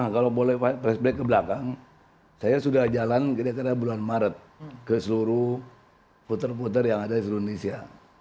kalau boleh flashback ke belakang saya sudah jalan kira kira bulan maret ke seluruh puter puter yang ada di seluruh indonesia